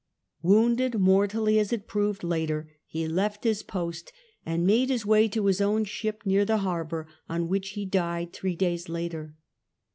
Wounded mortally as it proved later, he left his post and made his way to his own ship near the harbour, on which he died three days later.